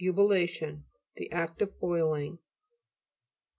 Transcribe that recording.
EBULU'TION The act of boiling.